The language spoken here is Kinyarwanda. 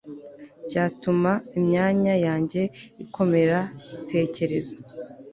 Byatuma imyanya yanjye ikomera tekereza